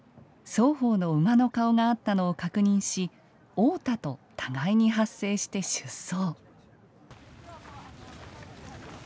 双方の馬の顔が合ったのを確認し合うたと互いに発声して、出走。